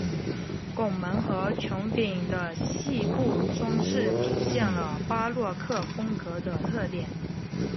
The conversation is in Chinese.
拱门和穹顶的细部装饰体现了巴洛克风格的特点。